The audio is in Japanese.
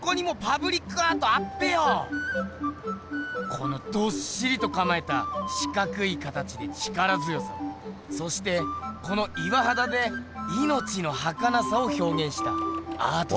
このどっしりとかまえた四角い形で力強さをそしてこの岩はだでいのちのはかなさをひょうげんしたアート作品。